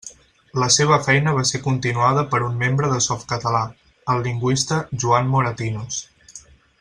La seva feina va ser continuada per un membre de Softcatalà, el lingüista Joan Moratinos.